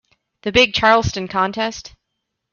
The big Charleston contest.